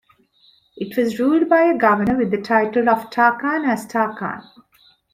It was ruled by a governor with the title of Tarkhan As-Tarkhan.